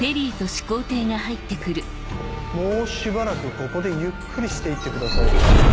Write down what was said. もうしばらくここでゆっくりして行ってください。